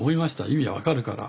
意味は分かるから。